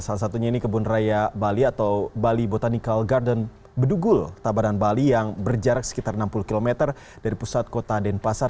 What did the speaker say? salah satunya ini kebun raya bali atau bali botanical garden bedugul tabanan bali yang berjarak sekitar enam puluh km dari pusat kota denpasar